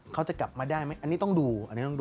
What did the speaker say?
เขาจะกลับมาได้ไหมอันนี้ต้องดู